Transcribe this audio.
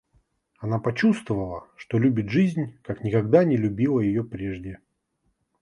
Она почувствовала, что любит жизнь, как никогда не любила ее прежде.